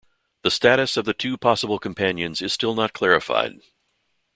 The status of the two possible companions is still not clarified.